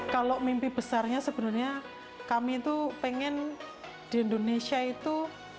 kalau mimpi besarnya sebenarnya kami itu pengen di indonesia itu